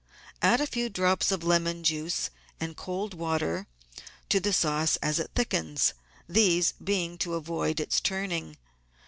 Add a few drops of lemon juice and cold water to the sauce as it thickens, these being to avoid its turning.